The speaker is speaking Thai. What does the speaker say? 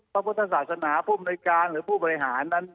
พระพุทธศาสนาผู้บริการหรือผู้บริหาร